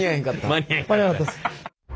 間に合わなかったです。